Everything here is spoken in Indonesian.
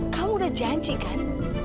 kamu udah janjikan